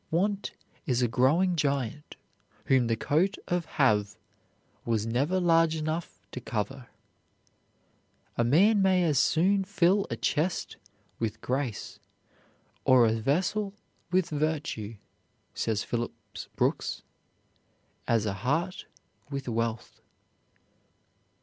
"Want is a growing giant whom the coat of Have was never large enough to cover." "A man may as soon fill a chest with grace, or a vessel with virtue," says Phillips Brooks, "as a heart with wealth."